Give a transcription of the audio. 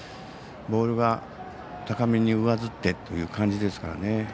ボールが高めに上ずってという感じですからね。